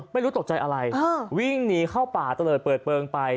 ไม่รู้ตกใจอะไรวิ่งหนีเข้าป่าเตลิดเปิดเปลืองไป